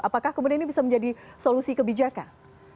apakah kemudian ini bisa menjadi solusi kebijakan